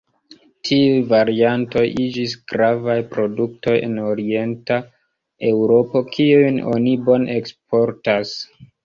Tiuj variantoj iĝis gravaj produktoj en Orienta Eŭropo kiujn oni bone eksportas.